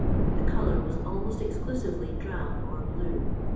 The »colour was almost exclusively drab or blue.